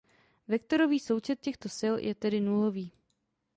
Vektorový součet těchto sil je tedy nulový.